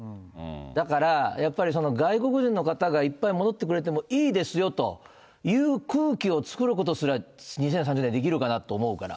だからやっぱり外国人の方がいっぱい戻ってくれてもいいですよという空気を作ることすら、２０３０年できるかなって思うから。